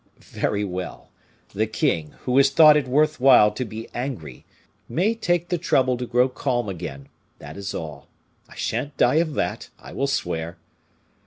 "Very well! the king, who has thought it worth while to be angry, may take the trouble to grow calm again; that is all. I shan't die of that, I will swear."